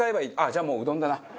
じゃあもううどんだな。